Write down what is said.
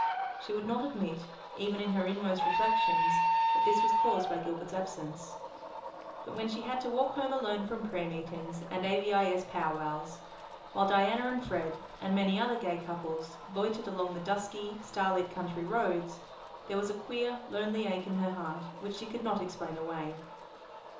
She would not admit, even in her inmost reflections, that this was caused by Gilbert's absence. But when she had to walk home alone from prayer meetings and A.V.I.S. pow wows, while Diana and Fred, and many other gay couples, loitered along the dusky, starlit country roads, there was a queer, lonely ache in her heart which she could not explain away.